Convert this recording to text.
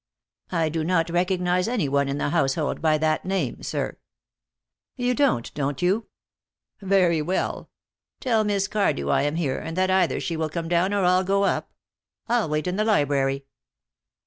"I do not recognize any one in the household by that name, sir." "You don't, don't you? Very well. Tell Miss Cardew I am here, and that either she will come down or I'll go up. I'll wait in the library."